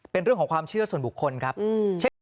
เป็นเรื่องของความเชื่อส่วนบุคคลครับ